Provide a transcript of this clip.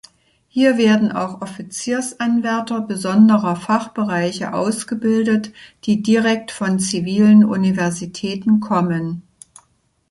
Hier werden auch Offiziersanwärter besonderer Fachbereiche ausgebildet, die direkt von zivilen Universitäten kommen.